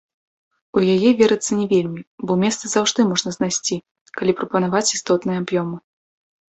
У яе верыцца не вельмі, бо месца заўжды можна знайсці, калі прапанаваць істотныя аб'ёмы.